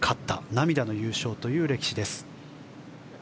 涙の優勝という歴史です。